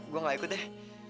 gue nggak ikut deh